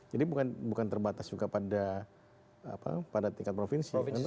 jadi bukan terbatas juga pada tingkat provinsi